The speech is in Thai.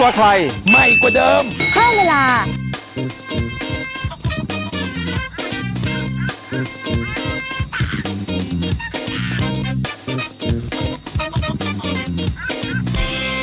ว้าวแล้วพี่ใส่ทองมานะครับ